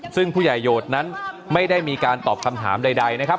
ซึ่งผู้ใหญ่โหดนั้นไม่ได้มีการตอบคำถามใดนะครับ